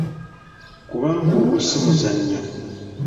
Kubanga ogwo si muzannyo.